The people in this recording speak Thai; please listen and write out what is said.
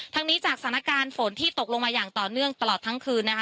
ทั้งนี้จากสถานการณ์ฝนที่ตกลงมาอย่างต่อเนื่องตลอดทั้งคืนนะคะ